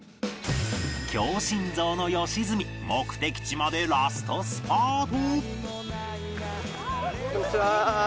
強心臓の良純目的地までラストスパート